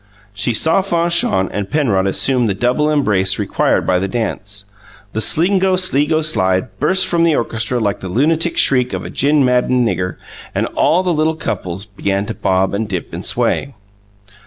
She saw Fanchon and Penrod assume the double embrace required by the dance; the "Slingo Sligo Slide" burst from the orchestra like the lunatic shriek of a gin maddened nigger; and all the little couples began to bob and dip and sway.